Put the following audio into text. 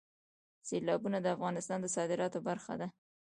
سیلابونه د افغانستان د صادراتو برخه ده.